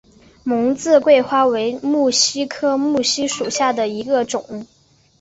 蒙自桂花为木犀科木犀属下的一个种。